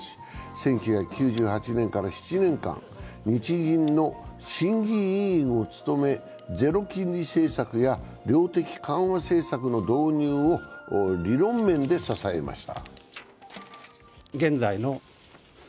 １９９８年から７年間、日銀の審議委員を務めゼロ金利政策や量的緩和政策の導入を理論面で支えました。